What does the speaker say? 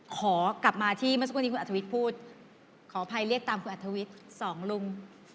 ขอกลับมาที่เมื่อสักวันนี้คุณอัธวิทย์พูดขออภัยเรียกตามคุณอัธวิทย์สองลุง